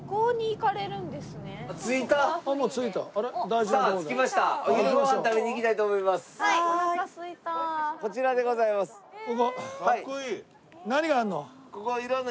かっこいい。